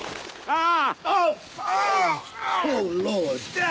ああ。